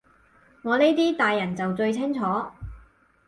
我呢啲大人就最清楚